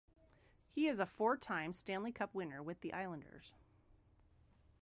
He is a four-time Stanley Cup winner with the Islanders.